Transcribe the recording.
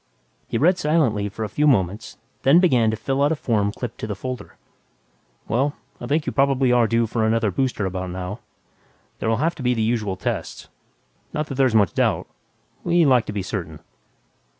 He read silently for a few moments, then began to fill out a form clipped to the folder. "Well, I think you probably are due for another booster about now. There'll have to be the usual tests. Not that there's much doubt ... we like to be certain."